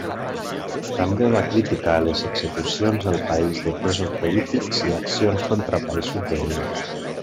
També va criticar les execucions al país de presos polítics i accions contra països veïns.